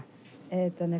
えっとね